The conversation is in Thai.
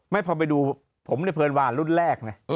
พอไปดูผมในเพลินวารุ่นแรกนะ